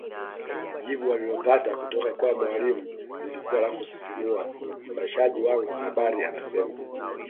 Jibu walilopata kutoka kwa Mwalimu lilikuwa la kusisimua Mpashaji wangu habari anasema